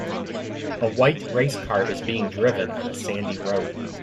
A white race car is being driven on a sandy road.